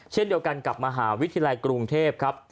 เช่นเดียวกันกับมหาวิทยาลัยกรุงเทพครับ